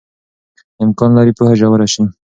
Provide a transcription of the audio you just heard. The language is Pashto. امکان لري پوهه ژوره شي.